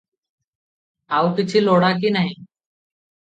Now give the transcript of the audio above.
ଆଉକିଛି ଲୋଡ଼ା କି ନାହିଁ